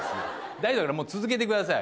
大丈夫だから続けてください。